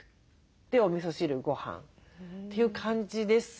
でおみそ汁ごはんという感じですね。